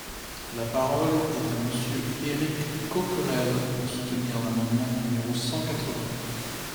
La parole est à Monsieur Éric Coquerel, pour soutenir l’amendement numéro cent quatre-vingts.